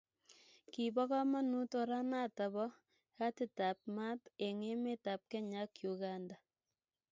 Kibo komonut oranato bo katitap mat eng emet ab Kenya ak Uganda